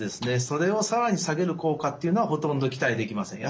それを更に下げる効果っていうのはほとんど期待できません。